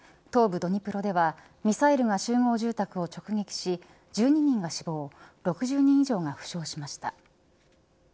ドニプロではミサイルが集合住宅を直撃し１２人が死亡、６０人以上が負傷しました。